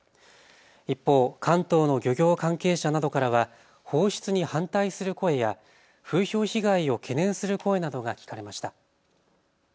一方、関東の漁業関係者などからは放出に反対する声や風評被害を懸念する声などが聞かれました。